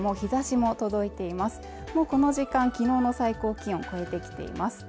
もうこの時間きのうの最高気温超えてきています